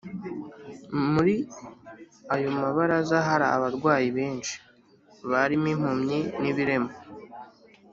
Muri ayo mabaraza hari abarwayi benshi, barimo impumyi n’ibirema